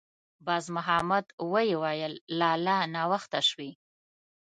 باز محمد ویې ویل: «لالا! ناوخته شوې.»